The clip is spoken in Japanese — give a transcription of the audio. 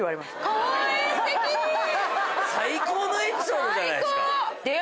最高のエピソードじゃないですか。